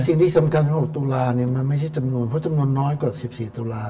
สิ่งที่สำคัญของ๖ตุลามันไม่ใช่จำนวนเพราะจำนวนน้อยกว่า๑๔ตุลาค